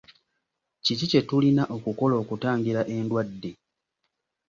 Ki kye tulina okukola okutangira endwadde?